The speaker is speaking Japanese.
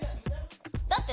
だって。